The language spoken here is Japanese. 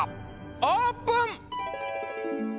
オープン！